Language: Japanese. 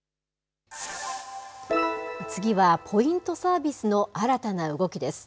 次は、ポイントサービスの新たな動きです。